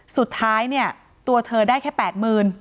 สุดท้ายเนี่ยตัวเธอได้แค่๘๐๐๐บาท